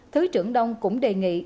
thứ trưởng đông cũng đề nghị